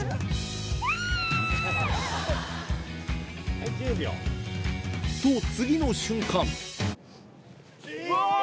はい１０秒。と次の瞬間うわぁ！